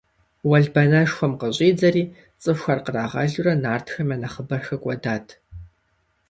Уэлбанэшхуэм къыщӀидзэри, цӀыхухэр кърагъэлурэ нартхэм я нэхъыбэр хэкӀуэдат.